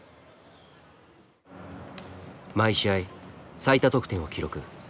毎試合最多得点を記録。